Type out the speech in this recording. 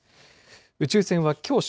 宇宙船はきょう正